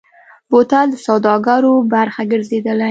بوتل د سوداګرۍ برخه ګرځېدلی.